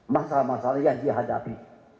masalah masalah yang dihadapi